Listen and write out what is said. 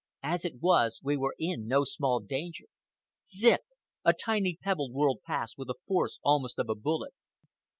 As it was, we were in no small danger. Zip! A tiny pebble whirred past with the force almost of a bullet.